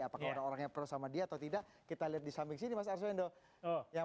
apakah orang orang yang pro sama dia atau tidak kita lihat di samping sini mas arswendo